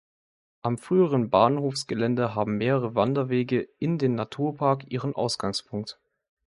Am früheren Bahnhofsgelände haben mehrere Wanderwege in den Naturpark ihren Ausgangspunkt.